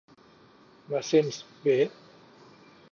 Me sents b